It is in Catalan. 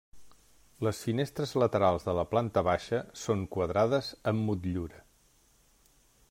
Les finestres laterals de la planta baixa són quadrades amb motllura.